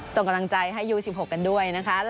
ส่งกำลังใจให้ยู๑๖กันด้วยนะคะ